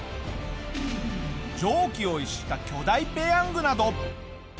常軌を逸した巨大ペヤングなど。